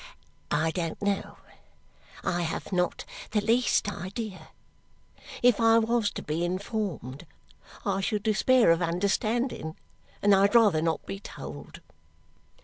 I don't know. I have not the least idea. If I was to be informed, I should despair of understanding, and I'd rather not be told."